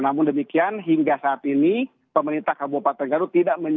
namun demikian hingga saat ini pemerintah kabupaten garut